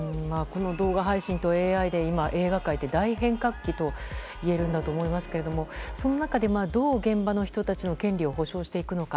動画配信とＡＩで今、映画界って大変革期といえるんだと思いますけれどもその中でどう現場の人たちの権利を保証していくのか。